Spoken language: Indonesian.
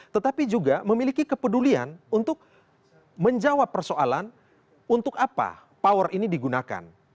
tetapi juga memiliki kepedulian untuk menjawab persoalan untuk apa power ini digunakan